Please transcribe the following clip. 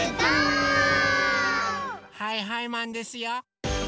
はいはいマンですよ！